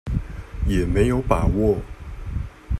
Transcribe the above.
也沒有把握